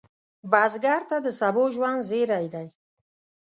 بزګر ته د سبو ژوند زېری دی